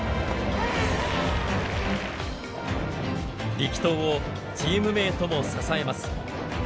力投をチームメートも支えます。